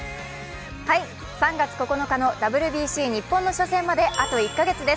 ３月９日のＷＢＣ日本の初戦まであと１か月です。